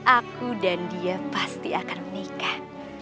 aku dan dia pasti akan menikah